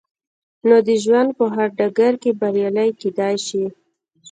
نو د ژوند په هر ډګر کې بريالي کېدای شئ.